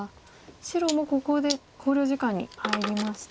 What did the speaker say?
白もここで考慮時間に入りました。